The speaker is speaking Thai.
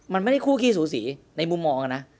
มันไม่ได้คู่ขี้สูสีในมุมมองนะ